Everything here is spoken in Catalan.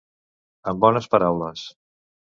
Amb bones paraules.